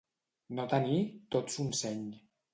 No tenir tot son seny.